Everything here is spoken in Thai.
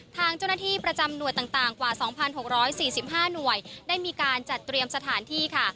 ทางเจ้าหน้าที่ประจำหน่วยต่างต่างกว่าสองพันหกร้อยสี่สิบห้าหน่วยได้มีการจัดเตรียมสถานที่ค่ะ